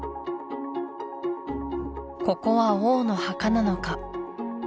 ここは王の墓なのか？